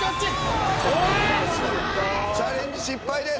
チャレンジ失敗です。